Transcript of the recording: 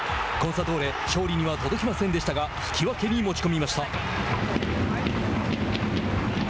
コンサドーレ勝利には届きませんでしたが引き分けに持ち込みました。